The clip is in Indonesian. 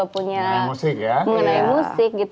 mengenai musik ya